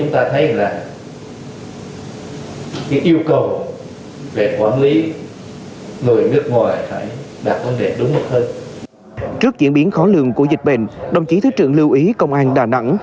trước diễn biến khó lường của dịch bệnh đồng chí thứ trưởng lưu ý công an đà nẵng